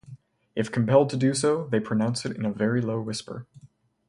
If compelled to do so, they pronounce it in a very low whisper.